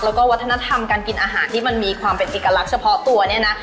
แล้วก็วัฒนธรรมการกินอาหารที่มันมีความเป็นเอกลักษณ์เฉพาะตัวเนี่ยนะ